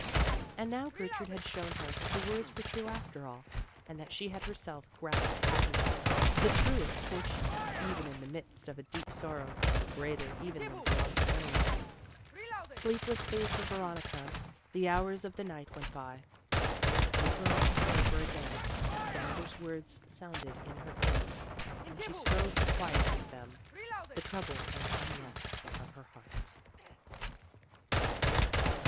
'" And now Gertrude had shown her that the words were true after all, and that she had herself grasped Happiness, the truest Fortune, even in the midst of a deep sorrow, greater even than Veronica's own. Sleeplessly for Veronica the hours of the night went by; but over and over again the mother's words sounded in her ears, and she strove to quiet with them the trouble and unrest of her heart.